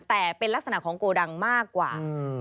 แต่เป็นลักษณะของโกดังมากกว่า